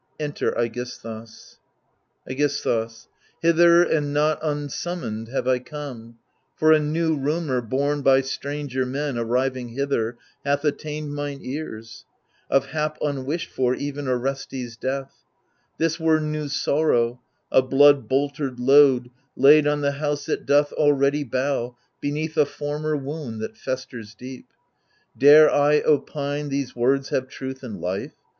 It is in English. [Enter JE£^sthus, i^GiSTHUS y Hither and not unsummoned have I come ; For a new rumour, borne by stranger men Arriving hither, hath attsuned mine ears, Of hap unwished for, even Orestes' deatii. This were new sorrow, a blood bolter'd load Laid on the house that doth already bow Beneath a former wound that festers deep. Dare I opine these words have truth and life